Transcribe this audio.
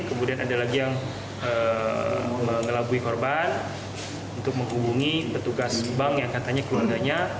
kemudian ada lagi yang mengelabui korban untuk menghubungi petugas bank yang katanya keluarganya